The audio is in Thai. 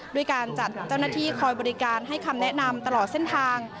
ด้วยการจัดเจ้าหน้าที่คอยบริการให้คำแนะนำตลอดเส้นทาง